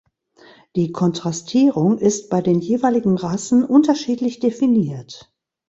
Die Kontrastierung ist bei den jeweiligen Rassen unterschiedlich definiert.